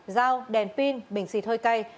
dao đèn pin bình xịt hơi cay